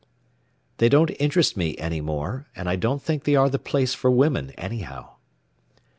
"They don't interest me any more, and I don't think they are the place for women, anyhow."